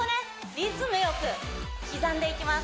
リズムよく刻んでいきます